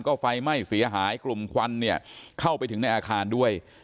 ก็ไฟไหม้เสียหายกลุ่มควันเนี่ยเข้าไปถึงในอาคารด้วย